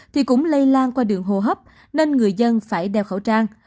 thì cũng lây lan qua đường hô hấp nên người dân phải đeo khẩu trang